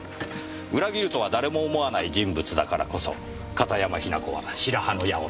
裏切るとは誰も思わない人物だからこそ片山雛子は白羽の矢を立てた。